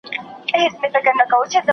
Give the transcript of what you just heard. ¬ ډکه کاسه که چپه نسي، و خو به چړپېږي.